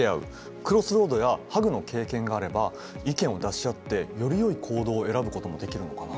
クロスロードやＨＵＧの経験があれば意見を出し合ってよりよい行動を選ぶこともできるのかな。